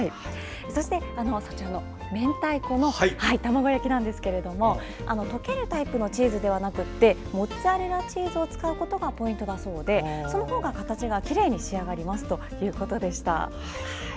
そして明太子の卵焼きなんですが溶けるタイプのチーズではなくてモッツァレラチーズを使うことがポイントだそうでその方が形がきれいに仕上がりますということでした。